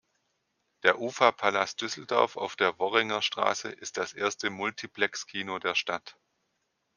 Der Ufa-Palast Düsseldorf auf der Worringer Straße ist das erste Multiplex-Kino der Stadt.